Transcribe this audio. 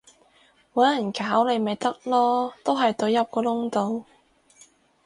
搵人搞你咪得囉，都係隊入個窿度